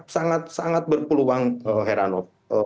sangat sangat berpeluang herano